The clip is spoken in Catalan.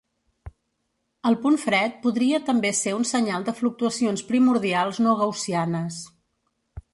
El punt fred podria també ser un senyal de fluctuacions primordials no gaussianes.